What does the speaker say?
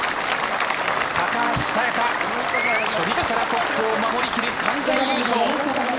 高橋彩華初日からトップを守りきり完全優勝。